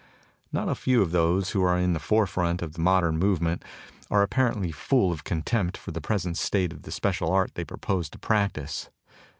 Not a few of those who are in the forefront of the modern movement are apparently full of contempt for the present state of the special art they propose to practise.